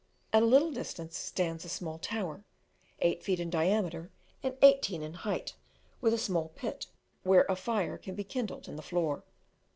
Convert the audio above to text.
At a little distance stands a small tower, eight feet in diameter and eighteen in height, with a small pit, where a fire can be kindled, in the floor.